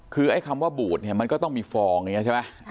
คือไอ้คำว่าบูดเนี่ยมันก็ต้องมีฟองอย่างนี้ใช่ไหม